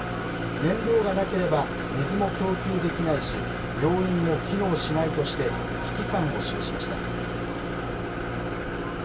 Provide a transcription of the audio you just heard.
燃料がなければ水も供給できないし、病院も機能しないとして、危機感を示しました。